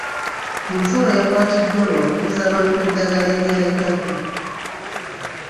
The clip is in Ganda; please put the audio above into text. Omusawo yakwatiddwa lwa kuguza bantu eddagala eryayitako.